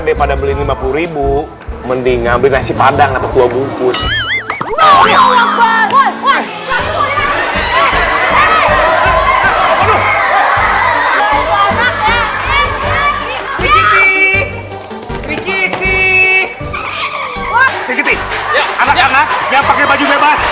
yang pada beli rp lima puluh mending ambil nasi padang atau bukus bukus anak anak yang pakai baju bebas